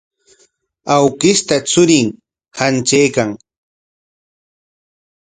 Awkishta churin hantraykan.